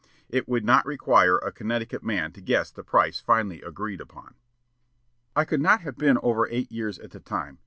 It would not require a Connecticut man to guess the price finally agreed upon.... "I could not have been over eight years at the time.